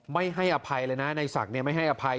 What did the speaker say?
ไม่ให้อภัยเลยนะในศักดิ์ไม่ให้อภัย